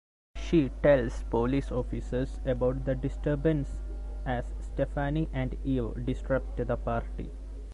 She tells police officers about the disturbance as Stefani and Eve disrupt the party.